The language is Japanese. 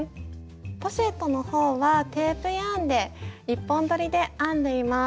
ポシェットのほうはテープヤーンで１本どりで編んでいます。